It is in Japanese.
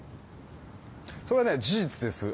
それは事実です。